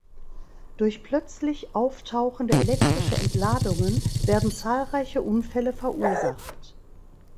Durch plötzlich auftauchende elektrische Entladungen werden zahlreichen Unfälle verursacht.